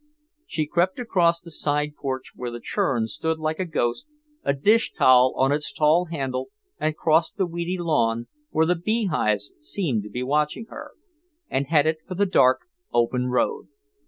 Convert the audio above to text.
She crept across the side porch where the churn stood like a ghost, a dish towel on its tall handle and crossed the weedy lawn, where the beehives seemed to be watching her, and headed for the dark, open road.